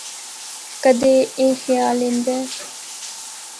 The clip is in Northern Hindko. کدے اے خیال ایندا ہے۔